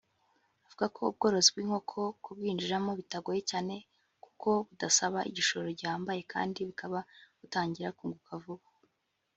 Avuga ko ubworozi bw’inkoko kubwinjiramo bitagoye cyane kuko budasaba igishoro gihambaye kandi bukaba butangira kunguka vuba